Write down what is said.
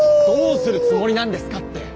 どうするつもりなんですかって！